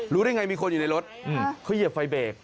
รู้ได้ไงมีคนอยู่ในรถเขาเหยียบไฟเบรก